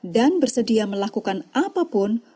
dan bersedia melakukan apapun